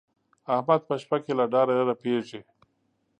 احمد په شپه کې له ډاره رپېږي.